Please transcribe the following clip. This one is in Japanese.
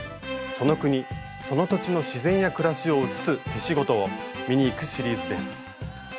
その国その土地の自然や暮らしをうつす手仕事を見に行くシリーズです。